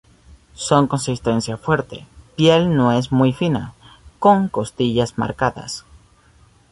Son de consistencia fuerte, piel no es muy fina, con costillas marcadas.